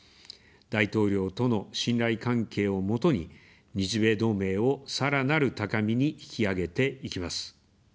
大統領との信頼関係を基に、日米同盟をさらなる高みに引き上げていきます。